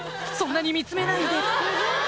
そんなに見つめないで！